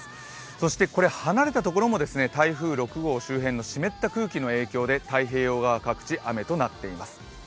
そして離れたところも台風６号周辺の湿った空気の影響で太平洋側各地、雨となっています。